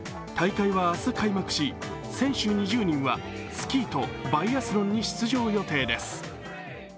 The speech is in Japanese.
大会は明日開幕し選手２０人はスキーとバイアスロンに出場予定です。